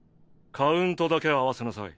カウントだけ合わせなさい。